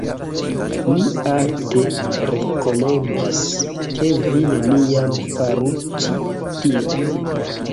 Mi alte rekomendas... ke vi neniam faru ĉi tion.